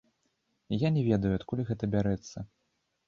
Я не ведаю, адкуль гэта бярэцца.